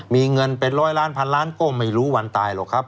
มีเงินเป็นร้อยล้านพันล้านก็ไม่รู้วันตายหรอกครับ